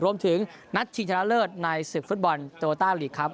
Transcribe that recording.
รวมถึงนัดชิงชนะเลิศในศึกฟุตบอลโตต้าลีกครับ